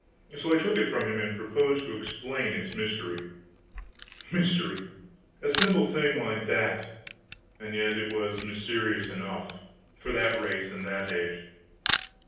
So I took it from him and proposed to explain its mystery. Mystery! a simple little thing like that; and yet it was mysterious enough, for that race and that age.